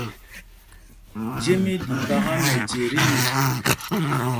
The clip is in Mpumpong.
Jem í ɗi paka mɛje tí nup.